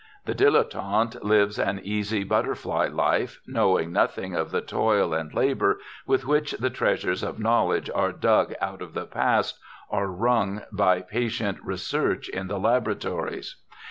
The dilettante lives an easy, butterfly life, knowing nothing of the toil and labor with which the treasures of knowledge are dug out of the past, or wrung by patient research in the laboratories.